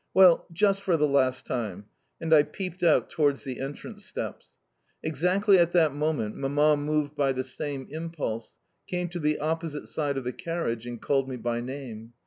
"Well, just for the last time," and I peeped out towards the entrance steps. Exactly at that moment Mamma moved by the same impulse, came to the opposite side of the carriage, and called me by name.